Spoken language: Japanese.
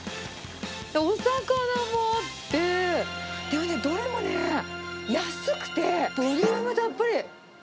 お魚もあって、どれもね、安くてボリュームたっぷり。